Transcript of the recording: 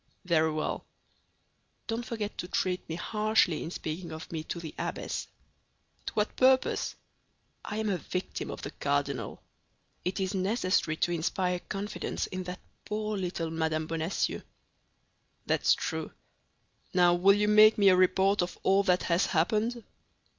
"Very well." "Don't forget to treat me harshly in speaking of me to the abbess." "To what purpose?" "I am a victim of the cardinal. It is necessary to inspire confidence in that poor little Madame Bonacieux." "That's true. Now, will you make me a report of all that has happened?"